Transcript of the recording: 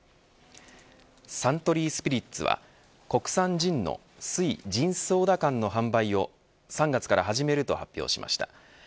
サントリースピリッツは国産ジンの翠ジンソーダ缶の販売を３月から始めると発表しました。